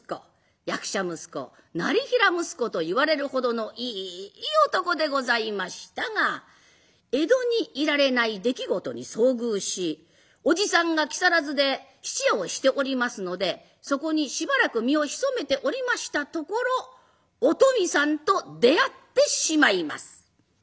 役者息子業平息子といわれるほどのいい男でございましたが江戸にいられない出来事に遭遇しおじさんが木更津で質屋をしておりますのでそこにしばらく身を潜めておりましたところお富さんと出会ってしまいます。